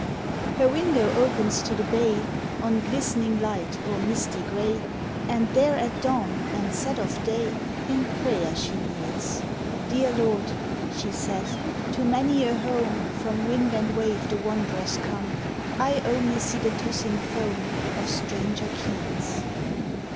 Her window opens to the bay, On glistening light or misty gray, And there at dawn and set of day In prayer she kneels: "Dear Lord!" she saith, "to many a home From wind and wave the wanderers come; I only see the tossing foam Of stranger keels.